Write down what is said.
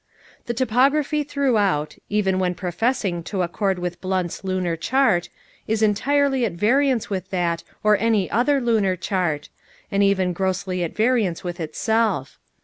The topography throughout, even when professing to accord with Blunt's Lunar Chart, is entirely at variance with that or any other lunar chart, and even grossly at variance with itself.